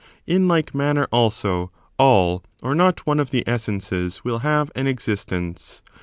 In like manner, also, all or not one of the essences will have an existence.